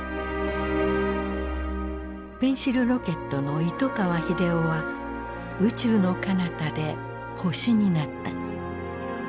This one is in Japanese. ペンシルロケットの糸川英夫は宇宙のかなたで星になった。